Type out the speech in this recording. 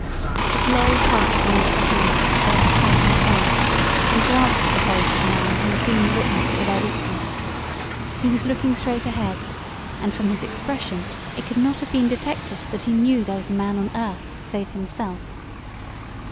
As Lorry passed beneath the hand that held the curtain aside, he glanced at the face of the man who had been witness to their weakness. He was looking straight ahead, and, from his expression, it could not have been detected that he knew there was a man on earth save himself.